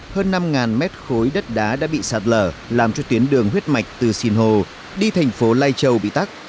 hơn năm mét khối đất đá đã bị sạt lở làm cho tuyến đường huyết mạch từ sinh hồ đi thành phố lai châu bị tắt